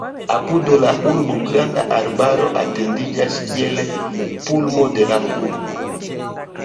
Apud la urbo granda arbaro etendiĝas, kiel pulmo de la urbo.